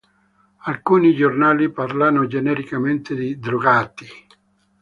Alcuni giornali parlano genericamente di "drogati".